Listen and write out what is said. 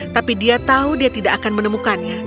tapi dia tahu dia tidak akan menemukannya